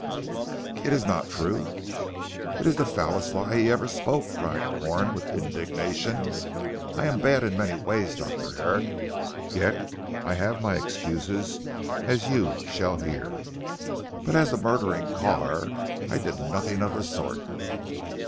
"It is not true?" "It is the foulest lie he ever spoke!" cried Corn with indignation. "I am bad in many ways Dr. Herrick yet I have my excuses, as you shall hear. But as to murdering Carr, I did nothing of the sort."